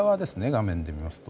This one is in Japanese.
画面で言いますと。